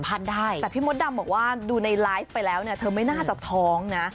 แต่พี่มดดำบอกว่าดูในไลฟ์ไปแล้วเนี่ยเธอไม่น่าจะท้องนะ